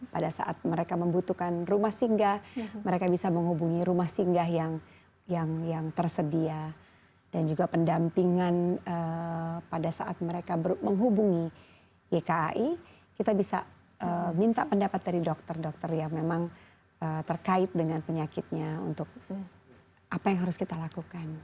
pada saat mereka membutuhkan rumah singgah mereka bisa menghubungi rumah singgah yang tersedia dan juga pendampingan pada saat mereka menghubungi ykai kita bisa minta pendapat dari dokter dokter yang memang terkait dengan penyakitnya untuk apa yang harus kita lakukan